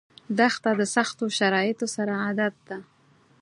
دښته د سختو شرایطو سره عادت ده.